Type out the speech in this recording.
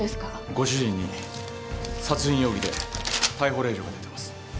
ご主人に殺人容疑で逮捕令状が出てます。